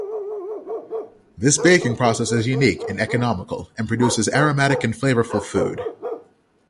This baking process is unique and economical and produces aromatic and flavorful food.